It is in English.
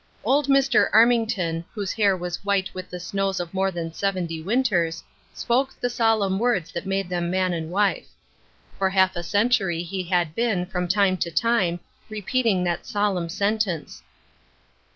Old Dr. Armington, whose hair was white with the snows of more than seventy winters, spoke the solemn words that made them man and wife. .. For half a century he had been, from time to time, repeating that solemn sen tence.